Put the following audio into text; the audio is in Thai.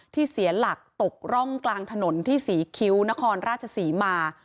เสียหลักตกร่องกลางถนนที่ศรีคิ้วนครราชศรีมา